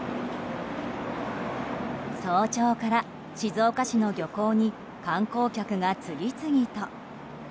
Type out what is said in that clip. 早朝から静岡市の漁港に観光客が次々と。